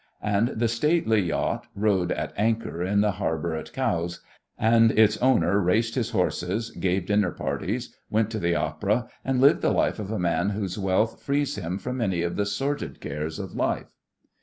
And the stately yacht rode at anchor in the harbour at Cowes, and its owner raced his horses, gave dinner parties, went to the opera, and lived the life of a man whose wealth frees him from many of the sordid cares of life.